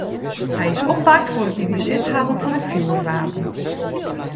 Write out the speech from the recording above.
Hy is oppakt foar it yn besit hawwen fan in fjoerwapen.